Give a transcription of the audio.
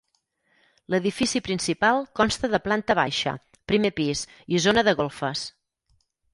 L'edifici principal consta de planta baixa, primer pis i zona de golfes.